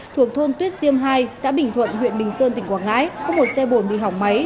thuộc thôn tuyết diêm hai xã bình thuận huyện bình sơn tỉnh quảng ngãi có một xe bồn bị hỏng máy